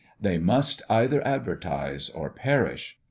They must either advertise or perish.